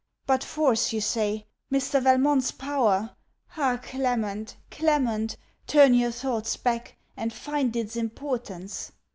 But force you say. Mr. Valmont's power Ah, Clement, Clement, turn your thoughts back, and find its importance.